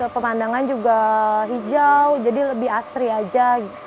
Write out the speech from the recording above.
pemandangan juga hijau jadi lebih asri aja